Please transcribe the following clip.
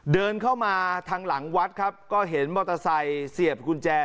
เดินเข้ามาทางหลังวัดครับก็เห็นมอเตอร์ไซค์เสียบกุญแจ